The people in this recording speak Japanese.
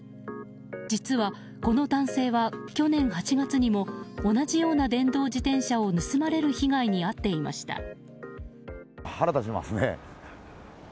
実は、この男性は去年８月にも同じような電動自転車を盗まれる被害に遭っていました。